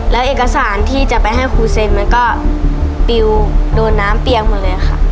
แล้วเอกสารที่จะไปให้ครูเซ็นมันก็ปิวโดนน้ำเปียงหมดเลยค่ะ